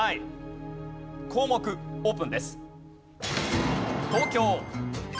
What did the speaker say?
項目オープンです。